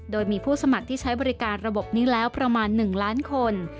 โดยมีผู้สมัครที่ใช้บริการระบบนี้แล้วประมาณ๑ล้านคน